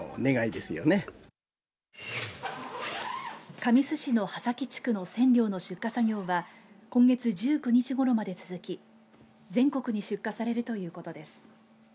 神栖市の波崎地区のセンリョウの出荷作業は今月１９日ごろまで続き全国に出荷されるということです。